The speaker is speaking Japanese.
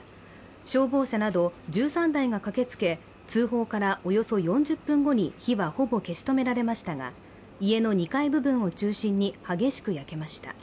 消防車など１３台が駆けつけ通報からおよそ４０分後に火はほぼ消し止められましたが、家の２階部分を中心に激しく焼けました。